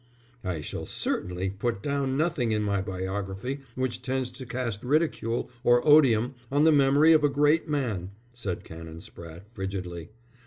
"I shall certainly put down nothing in my biography which tends to cast ridicule or odium on the memory of a great man," said Canon Spratte, frigidly.